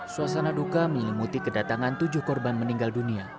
suasana duka menyelimuti kedatangan tujuh korban meninggal dunia